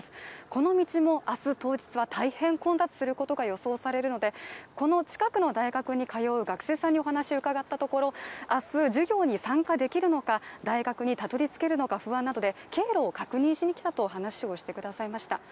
この道も明日当日は大変混雑することが予想されるのでこの近くの大学に通う学生さんにお話を伺ったところ、明日、授業に参加できるのか大学にたどりつけるのか不安なので経路を確認しにきたと話をしてくださいました